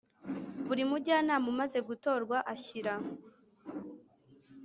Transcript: Buri Mujyanama umaze gutorwa ashyira